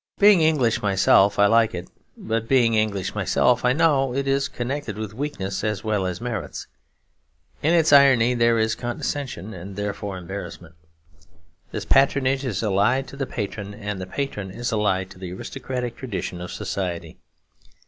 Being English myself, I like it; but being English myself, I know it is connected with weaknesses as well as merits. In its irony there is condescension and therefore embarrassment. This patronage is allied to the patron, and the patron is allied to the aristocratic tradition of society.